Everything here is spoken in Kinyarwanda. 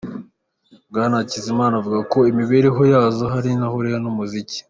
Bwana Hakizimana avuga ko imibereho yazo hari aho ihurira n'umuziki.